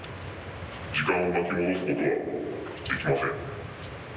時間を巻き戻すことはできません。